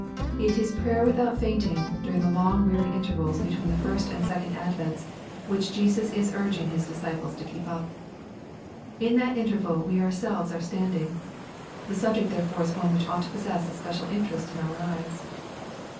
It is prayer without fainting, during the long weary intervals between the first and second advents, which Jesus is urging His disciples to keep up. In that interval we ourselves are standing. The subject therefore is one which ought to possess a special interest in our eyes.